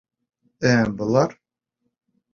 Ә былар...